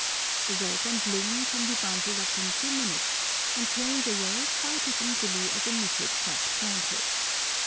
The web and loom can be bundled up in two minutes, and carried away quite as easily as a knitted soft blanket.